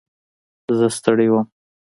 زه ستړی وم.